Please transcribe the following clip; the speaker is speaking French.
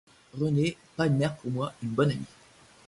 Renée, pas une mère pour moi, une bonne amie.